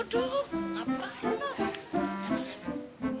aduh apaan lu